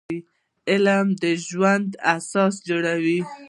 علم د ژوند اساس جوړوي